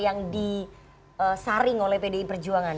yang disaring oleh pdi perjuangan